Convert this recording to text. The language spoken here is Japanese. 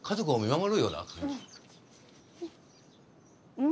うん。